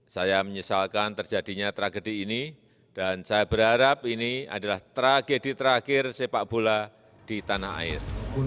saya menyesalkan terjadinya tragedi ini dan saya berharap ini adalah tragedi terakhir sepak bola di tanah air